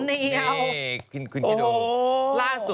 นี่คุณคิดุ